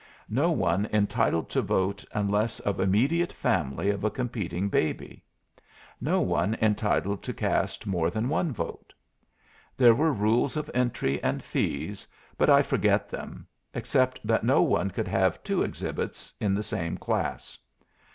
No one entitled to vote unless of immediate family of a competing baby. No one entitled to cast more than one vote. There were rules of entry and fees, but I forget them, except that no one could have two exhibits in the same class.